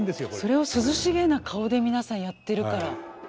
それを涼しげな顔で皆さんやってるから。